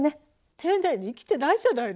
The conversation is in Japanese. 丁寧に生きてないじゃないの。